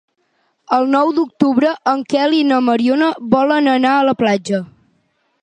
El nou d'octubre en Quel i na Mariona volen anar a la platja.